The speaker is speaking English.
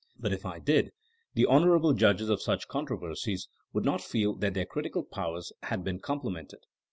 But if I did the honorable judges of such controversies would not feel that their critical powers had been complimented.